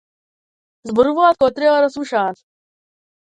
Зборуваат кога треба да слушаат.